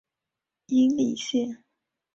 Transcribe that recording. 殷栗线